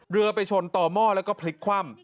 เรือไปชนต่อหม้อแล้วก็พลิกคว่ำ